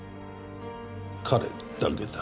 彼だけだ